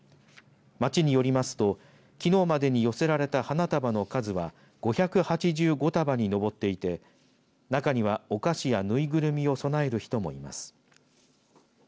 町によりますと、きのうまでに寄せられた花束の数は５８５束に上っていて中には、お菓子やぬいぐるみなどを供える人もいます。